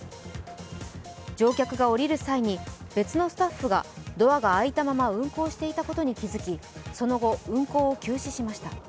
乗客が降りる際に別のスタッフがドアが開いたまま運行していたことに気づきその後、運行を休止しました。